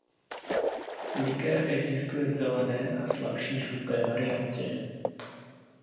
Likér existuje v zelené a slabší žluté variantě.